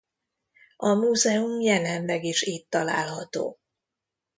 A múzeum jelenleg is itt található.